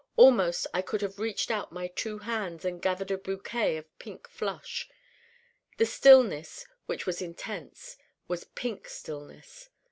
Almost I could have reached out my two hands and gathered a bouquet of Pink Flush. The stillness, which was intense, was Pink stillness.